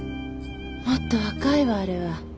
もっと若いわあれは。